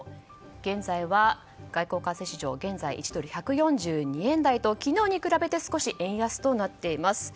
現在は、外国為替市場１ドル＝１４２円台と昨日に比べると少し円安となっています。